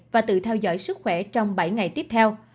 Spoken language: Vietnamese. và tự theo dõi sức khỏe trong bảy ngày tiếp theo